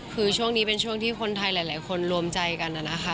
คือช่วงนี้เป็นช่วงที่คนไทยหลายคนรวมใจกันนะคะ